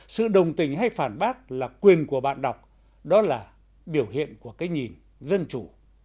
sự đồng tình hay phản bác là quyền của bạn đọc đó là biểu hiện của cái nhìn dân chủ